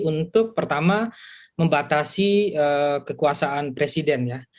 untuk pertama membatasi kekuasaan presiden ya